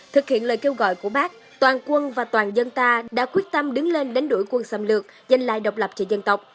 thực hiện lời kêu gọi của bác toàn quân và toàn dân ta đã quyết tâm đứng lên đánh đổi quân xâm lược dành lại độc lập cho dân tộc